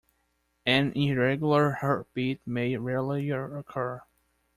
An irregular heartbeat may rarely occur.